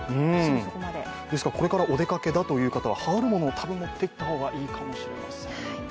これからお出かけだという方は羽織るものを持っていった方がいいかもしれません。